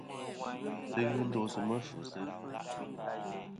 Lvɨyn sɨ ghɨ ndosɨ mɨ̂fvɨsɨ ghɨ.